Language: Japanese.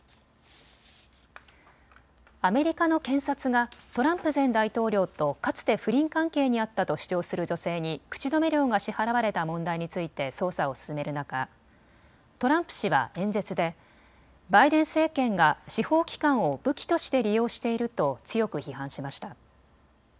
アメリカの検察がトランプ前大統領とかつて不倫関係にあったと主張する女性に口止め料が支払われた問題について捜査を進める中、トランプ氏は演説でバイデン政権が司法機関を武器として利用していると強く批判しました。